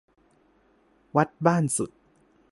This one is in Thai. วัดบ้านสุด